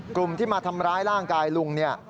กลุ่มที่มาทำร้ายร่างกายลุงเนี่ย